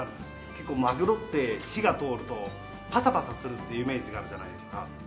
結構マグロって火が通るとパサパサするっていうイメージがあるじゃないですか。